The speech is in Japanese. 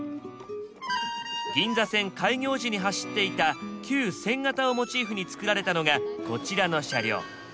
銀座線開業時に走っていた旧１０００形をモチーフに造られたのがこちらの車両。